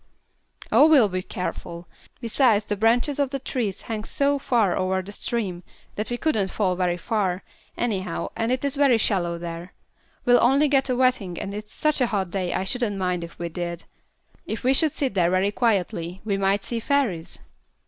"Oh, we'll be careful; besides the branches of the trees hang so far over the stream that we couldn't fall very far, anyhow, and it is very shallow there. We'll only get a wetting and it's such a hot day I shouldn't mind if we did. If we should sit there very quietly we might see fairies."